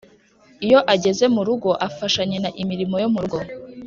Iyo ageze mu rugo afasha nyina imirimo yo mu rugo